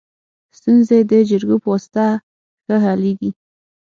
ستونزي د جرګو په واسطه ښه حلیږي.